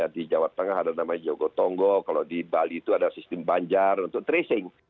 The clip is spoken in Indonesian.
di jawa tengah ada namanya jogotongo kalau di bali itu ada sistem banjar untuk tracing